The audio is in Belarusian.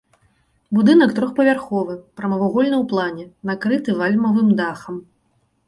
Будынак трохпавярховы, прамавугольны ў плане, накрыты вальмавым дахам.